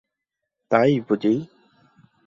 তাই বুঝি?